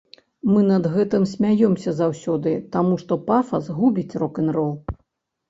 Мы над гэтым смяёмся заўсёды, таму што пафас губіць рок-н-рол.